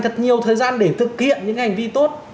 thật nhiều thời gian để thực hiện những hành vi tốt